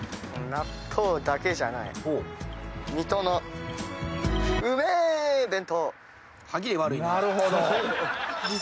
［納豆だけじゃない水戸のうめぇ駅弁］